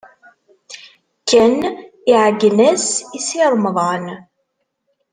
Ken iɛeyyen-as i Si Remḍan.